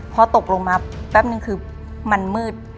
พอตกลงมาแป๊บนึงคือมันมืด